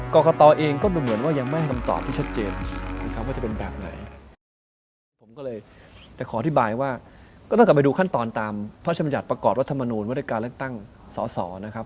ก็ต้องกลับไปดูขั้นตอนตามพระชมยัตริย์ประกอบวัฒนมนุษย์วิทยาลัยการเลือกตั้งสสนะครับ